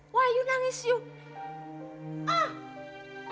wah yuk nangis yuk